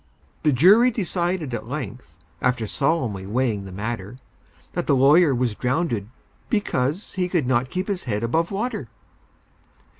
The jury decided at length, After solemnly weighing the matter, That the lawyer was drownded, because He could not keep his head above water!